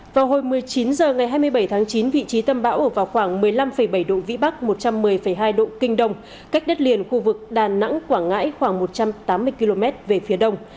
vào hồi một mươi chín h ngày hai mươi bảy tháng chín vị trí tâm bão ở vào khoảng một mươi năm bảy độ vĩ bắc một trăm một mươi hai độ kinh đông cách đất liền khu vực đà nẵng quảng ngãi khoảng một trăm tám mươi km về phía đông